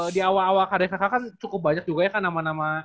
di awal awal kdfk kan cukup banyak juga ya kan nama nama